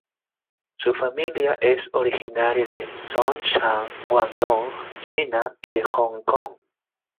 Su familia es originaria de Zhongshan, Guangdong, China y de Hong Kong.